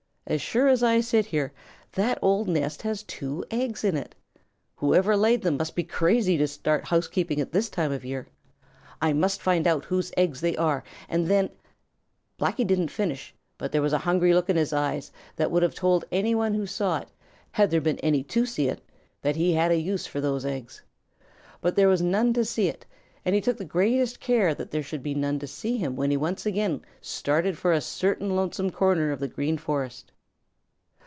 As sure as I sit here, that old nest has two eggs in it. Whoever laid them must be crazy to start housekeeping at this time of year. I must find out whose eggs they are and then " Blacky didn't finish, but there was a hungry look in his eyes that would have told any who saw it, had there been any to see it, that he had a use for those eggs. But there was none to see it, and he took the greatest care that there should be none to see him when he once again started for a certain lonesome corner of the Green Forest.